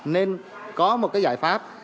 nên có một cái giải pháp